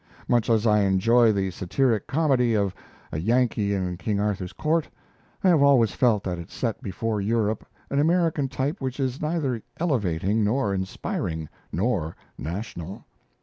Much as I enjoy the satiric comedy of 'A Yankee in King Arthur's Court', I have always felt that it set before Europe an American type which is neither elevating nor inspiring nor national.